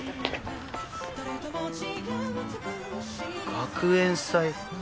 学園祭。